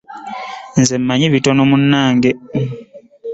Nze mmanyi bitono munnange.